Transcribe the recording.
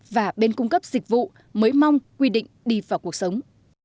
và bên cung cấp dịch vụ mới mong quy định đi vào cuộc sống